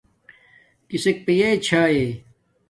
کسک پیے چھاݵ